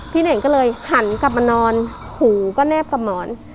เน่งก็เลยหันกลับมานอนหูก็แนบกับหมอน